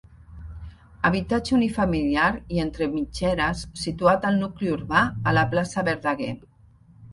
Habitatge unifamiliar i entre mitgeres, situat al nucli urbà, a la plaça Verdaguer.